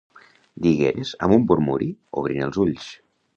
—Digueres, amb un murmuri, obrint els ulls.